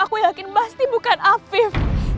makin pasti bukan afif